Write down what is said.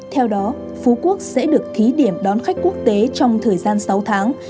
theo đó phú quốc sẽ được thí điểm đón khách quốc tế trong thời gian sáu tháng